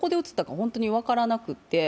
本当に分からなくて。